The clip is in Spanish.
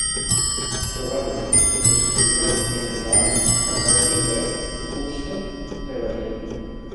En lugar de ello, lo inscribieron en la "Akademie der Künste" de Berlín.